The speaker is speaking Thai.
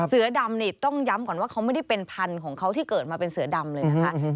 เสือดำนี่ต้องย้ำก่อนว่าเขาไม่ได้เป็นพันธุ์ของเขาที่เกิดมาเป็นเสือดำเลยนะคะ